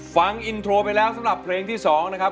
ฟังอินโทรไปแล้วสำหรับเพลงที่๒นะครับ